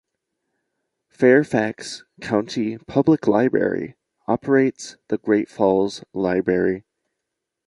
Fairfax County Public Library operates the Great Falls Library.